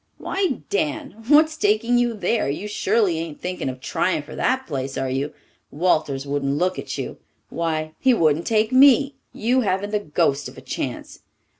"Why, Dan, what's taking you there? You surely ain't thinking of trying for that place, are you? Walters wouldn't look at you. Why, he wouldn't take me! You haven't the ghost of a chance."